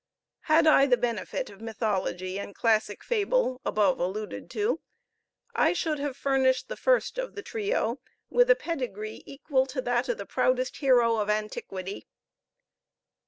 Had I the benefit of mythology and classic fable above alluded to, I should have furnished the first of the trio with a pedigree equal to that of the proudest hero of antiquity.